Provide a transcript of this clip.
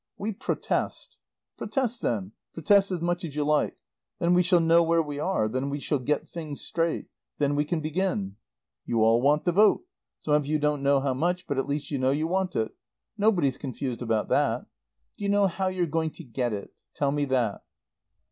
"We protest " "Protest then; protest as much as you like. Then we shall know where we are; then we shall get things straight; then we can begin. You all want the vote. Some of you don't know how much, but at least you know you want it. Nobody's confused about that. Do you know how you're going to get it? Tell me that."